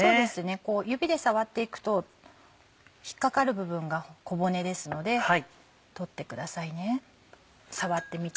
こう指で触っていくと引っかかる部分が小骨ですので取ってくださいね触ってみて。